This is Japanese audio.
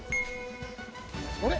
あれ？